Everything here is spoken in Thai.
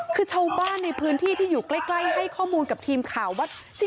คือชาวบ้านในพื้นที่ที่อยู่ใกล้ให้ข้อมูลกับทีมข่าวว่า